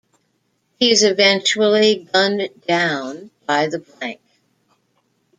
He is eventually gunned down by The Blank.